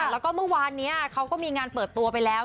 แล้วก็เมื่อวานนี้เขาก็มีงานเปิดตัวไปแล้ว